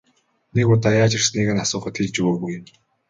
Нэг удаа яаж ирснийг нь асуухад хэлж өгөөгүй.